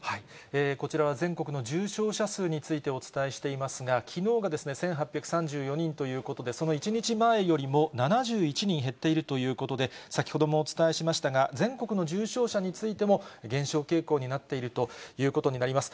こちらは全国の重症者数についてお伝えしていますが、きのうがですね、１８３４人ということで、その１日前よりも７１人減っているということで、先ほどもお伝えしましたが、全国の重症者についても、減少傾向になっているということになります。